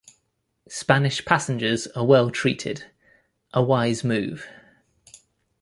Spanish passengers are well-treated, a wise move.